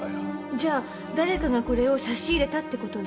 じゃあ誰かがこれを差し入れたってことね。